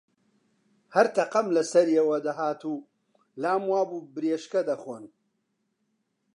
هەر تەقەم لە سەریەوە دەهات و لام وا بوو برێشکە دەخۆن